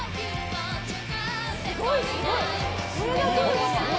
すごい、すごい！